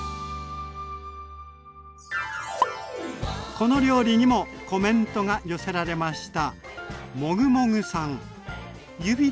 この料理にもコメントが寄せられました。